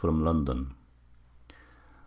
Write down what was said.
from London.